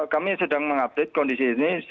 kami sedang mengupdate kondisi ini